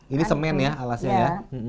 ini semen ya alasnya ya